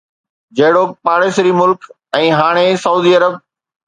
جهڙوڪ پاڙيسري ملڪ ۽ هاڻ سعودي عرب